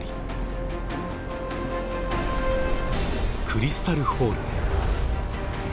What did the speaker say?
クリスタル・ホールへ。